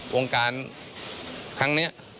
วงการครั้งนี้